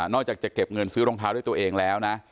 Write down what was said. อกจากจะเก็บเงินซื้อรองเท้าด้วยตัวเองแล้วนะ